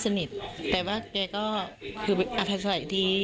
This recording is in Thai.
ไม่สนิทแต่ว่าแกก็คืออภัยสละอีกที